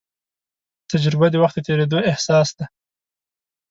تجربه د وخت د تېرېدو احساس دی.